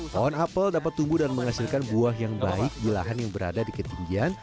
pohon apel dapat tumbuh dan menghasilkan buah yang baik di lahan yang berada di ketinggian